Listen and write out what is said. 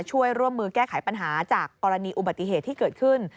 ร่วมมือแก้ไขปัญหาจากกรณีอุบัติเหตุที่เกิดขึ้น